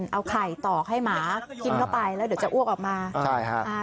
เอาไข่ตอกให้หมากินเข้าไปแล้วเดี๋ยวจะอ้วกออกมาใช่ฮะอ่า